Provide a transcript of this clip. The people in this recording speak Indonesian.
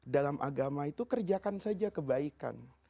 dalam agama itu kerjakan saja kebaikan